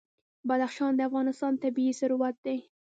بدخشان د افغانستان طبعي ثروت دی.